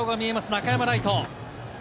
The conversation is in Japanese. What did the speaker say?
中山礼都。